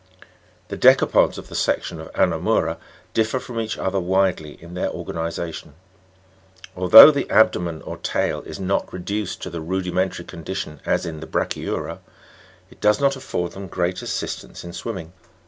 7. The decapods of the section of ANOMOU'RA differ from each other widely in their organization. Although the abdomen or tail is not reduced to the rudimentary condition, as in the Bra'chyu'ra, it does not afford them great assistance in swimming.